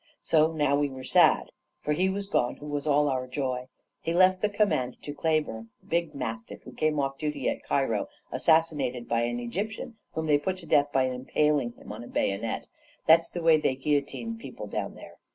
So now we were sad; for He was gone who was all our joy. He left the command to Kléber, a big mastiff, who came off duty at Cairo, assassinated by an Egyptian, whom they put to death by empaling him on a bayonet; that's the way they guillotine people down there.